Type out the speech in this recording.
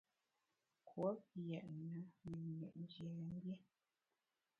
Kouop yètne menyit njiamgbié.